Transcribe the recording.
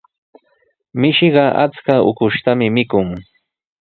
Mishiqa achka ukushtami mikun.